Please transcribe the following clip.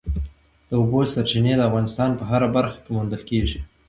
د اوبو سرچینې د افغانستان په هره برخه کې موندل کېږي.